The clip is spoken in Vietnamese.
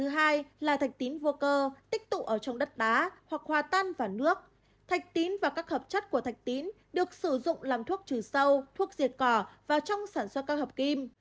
hoặc hòa tan vào nước thạch tín và các hợp chất của thạch tín được sử dụng làm thuốc trừ sâu thuốc diệt cỏ và trong sản xuất các hợp kim